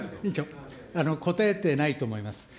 こたえてないと思います。